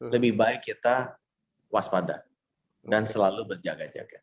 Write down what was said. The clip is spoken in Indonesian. lebih baik kita waspada dan selalu berjaga jaga